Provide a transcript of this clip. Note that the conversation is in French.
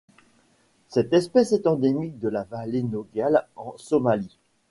Cette espèce est endémique de la vallée Nogal en Somalie.